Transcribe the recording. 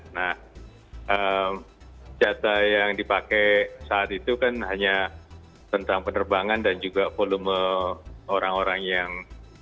nah data yang dipakai saat itu kan hanya tentang penerbangan dan juga volume orang orang yang